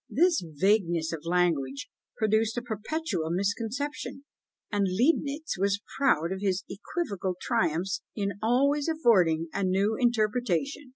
This vagueness of language produced a perpetual misconception, and Leibnitz was proud of his equivocal triumphs in always affording a new interpretation!